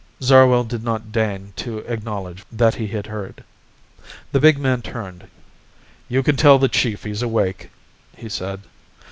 Zarwell did not deign to acknowledge that he heard. The big man turned. "You can tell the Chief he's awake," he said.